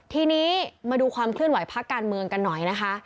ทีนี้มาดูความเคลื่อนไหวพักการเมืองกันหน่อยนะคะ